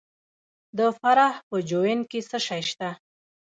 د فراه په جوین کې څه شی شته؟